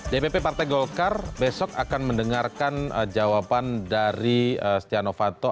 dpp partai golkar besok akan mendengarkan jawaban dari stiano fanto